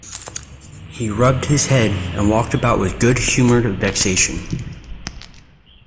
He rubbed his head and walked about with good-humoured vexation.